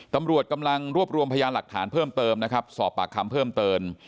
ตำรวจกำลังรวบรวมพยานหลักฐานเพิ่มเติมนะครับสอบปากคำเพิ่มเติม